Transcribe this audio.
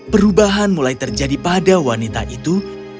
perubahan mulai terjadi pada wanita itu